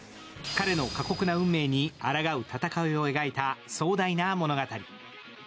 彼の過酷な運命にあらがう戦いを描いた壮大な物語。